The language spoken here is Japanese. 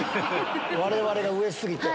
我々が上過ぎて。